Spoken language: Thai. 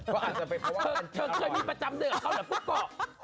ก็อาจจะเป็นเพราะว่าเธอเคยมีประจำเดือนกับเขาเหรอปุ๊กโกะ